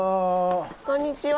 こんにちは。